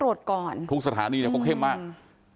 ต้องตรวจก่อนทุกสถานีเนี่ยก็เข้มมากอืม